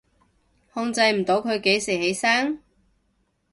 控制唔到佢幾時起身？